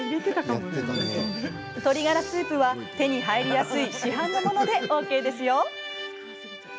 鶏ガラスープは、手に入りやすい市販のものでＯＫですよ。